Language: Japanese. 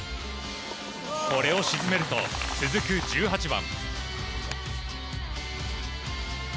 これを沈めると続く１８番。